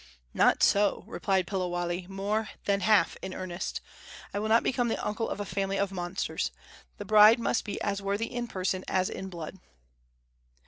"Not so," replied Piliwale, more than half in earnest. "I will not become the uncle of a family of monsters. The bride must be as worthy in person as in blood."